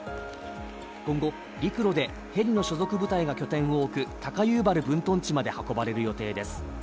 今後、陸路でヘリの所属部隊が拠点を置く高遊原分屯地まで運ばれる予定です。